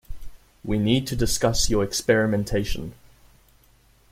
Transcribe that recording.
We need to discuss your experimentation.